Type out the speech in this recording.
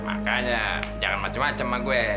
makanya jangan macem macem sama gue